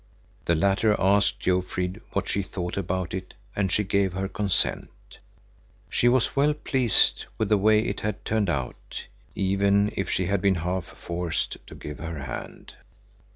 The latter asked Jofrid what she thought about it and she gave her consent. She was well pleased with the way it had turned out, even if she had been half forced to give her hand.